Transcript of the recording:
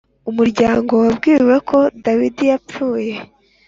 Umuryango wabwiwe ko Dawidi yapfuye